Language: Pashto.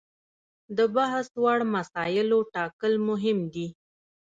د بحث وړ مسایلو ټاکل مهم دي.